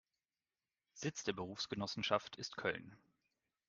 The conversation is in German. Sitz der Berufsgenossenschaft ist Köln.